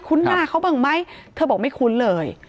หน้าเขาบ้างไหมเธอบอกไม่คุ้นเลย